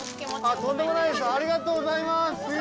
ありがとうございます！